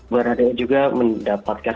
baradei juga mendapatkan